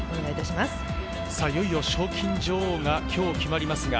いよいよ賞金女王が今日、決まります。